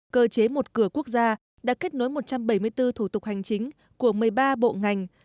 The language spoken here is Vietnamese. cơ chế một cửa quốc gia đã kết nối một trăm bảy mươi bốn thủ tục hành chính của một mươi ba bộ ngành